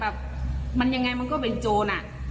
โจรนั้นยังไงมันก็เป็นโจร